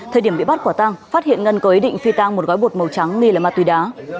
thời điểm bị bắt quả tăng phát hiện ngân có ý định phi tăng một gói bột màu trắng nghi là ma túy đá